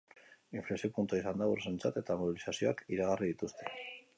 Inflexio puntua izan da gurasoentzat, eta mobilizazioak iragarri dituzte.